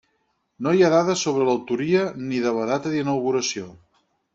No hi ha dades sobre l'autoria ni de la data d'inauguració.